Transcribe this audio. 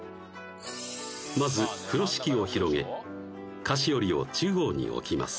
まず風呂敷を広げ菓子折りを中央に置きます